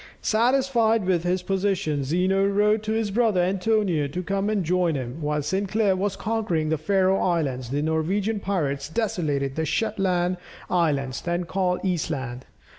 Satisfied with his position, Zeno wrote to his brother Antonio to come and join him. While Sinclair was conquering the Faröe Islands, the Norwegian pirates desolated the Shetland Islands, then called Eastland.